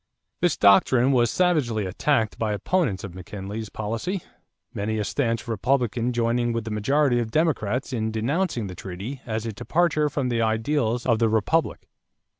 This doctrine was savagely attacked by opponents of McKinley's policy, many a stanch Republican joining with the majority of Democrats in denouncing the treaty as a departure from the ideals of the republic.